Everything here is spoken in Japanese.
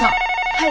はい。